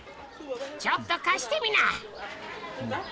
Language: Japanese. ちょっと貸してみな。